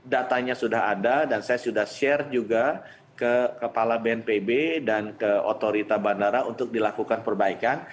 datanya sudah ada dan saya sudah share juga ke kepala bnpb dan ke otorita bandara untuk dilakukan perbaikan